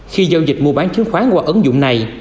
khi giao dịch mua bán chứng khoán qua ứng dụng này